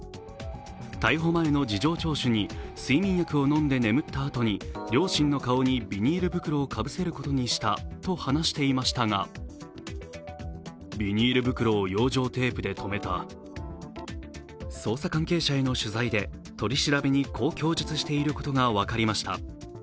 逮捕前の事情聴取に、睡眠薬を飲んで眠ったあとに両親の顔にビニール袋をかぶせることにしたと話していましたが捜査関係者への取材で取り調べにこう供述していることが分かりました。